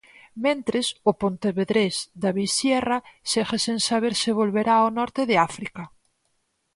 Mentres, o pontevedrés David Sierra segue sen saber se volverá ao norte de África.